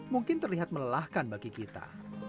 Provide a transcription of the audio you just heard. mungkin terlihat melelahkan bagi kita